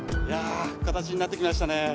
いや形になって来ましたね。